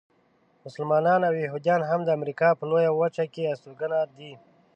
مسلمانان او یهودیان هم د امریکا په لویه وچه کې استوګنه دي.